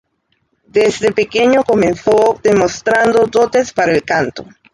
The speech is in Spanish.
Desde pequeño comenzó demostrando dotes para el canto.